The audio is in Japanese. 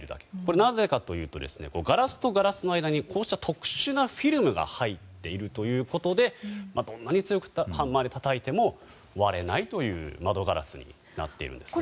なぜかというとガラスとガラスの間に特殊なフィルムが入っているということでどんなに強くハンマーでたたいても割れないという窓ガラスになっているんですね。